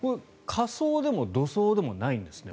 火葬でも土葬でもないんですか？